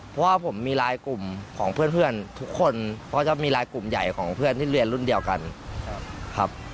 เพราะว่าผมมีลายกลุ่มของเพื่อนทุกคนเพราะจะมีลายกลุ่มใหญ่ของเพื่อนที่เรียนรุ่นเดียวกันครับ